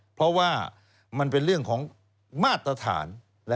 เพราะว่ามันเป็นเรื่องของมาตรฐาน